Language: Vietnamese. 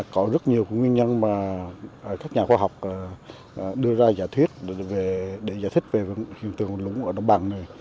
có rất nhiều nguyên nhân mà các nhà khoa học đưa ra giải thuyết để giải thích về nguyên tường lũng ở đồng bằng này